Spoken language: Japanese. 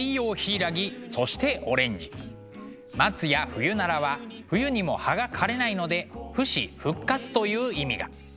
松やフユナラは冬にも葉が枯れないので不死・復活という意味が。